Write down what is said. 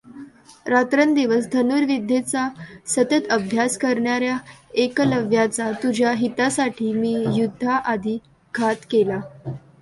रात्रंदिवस धनुर्विद्येचा सतत अभ्यास करणाऱ्या एकलव्याचा तुझ्या हितासाठी मी युध्दाआधी घात केला.